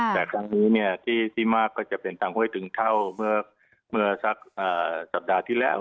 แต่ทรัพย์ที่มาเป็นต่างเข้าไปเมื่อสักสัปดาห์ที่แล้ว